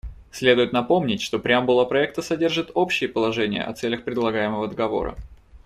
Следует напомнить, что преамбула проекта содержит общие положения о целях предлагаемого договора.